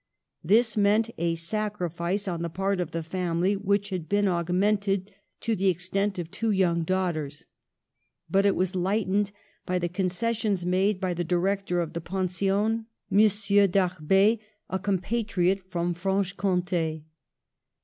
This meant a sacrifice on the part of the family, which had been augmented to the extent of two young daughters. But it was lightened by the concessions made by the director of the pension, M. Darbet, a compatriot from Franche Comte.